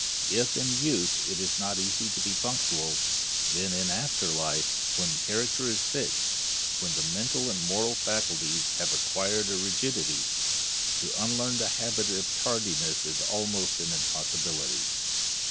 If in youth it is not easy to be punctual, then in after life, when the character is fixed, when the mental and moral faculties have acquired a rigidity, to unlearn the habit of tardiness is almost an impossibility.